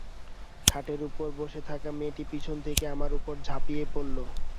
খাটের উপর বসেথাকা মেয়েটি পিছন থেকে আমার উপর, ঝাঁপিয়ে পড়ল।